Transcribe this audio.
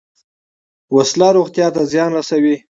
وسله روغتیا ته زیان رسوي